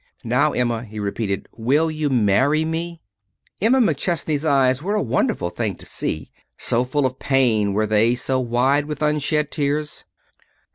"Now, Emma," he repeated, "will you marry me?" Emma McChesney's eyes were a wonderful thing to see, so full of pain were they, so wide with unshed tears.